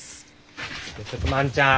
ちょっと万ちゃん。